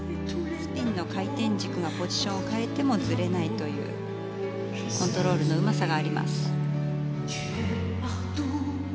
スピンの回転軸がポジションを変えてもずれないというコントロールのうまさがあります。